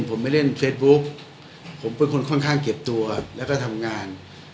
ผมไม่เล่นเฟซบุ๊กผมเป็นคนค่อนข้างเก็บตัวแล้วก็ทำงาน